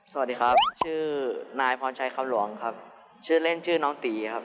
สวัสดีครับชื่อนายพรชัยคำหลวงครับชื่อเล่นชื่อน้องตีครับ